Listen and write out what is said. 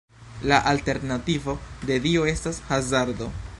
La alternativo de dio estas hazardo.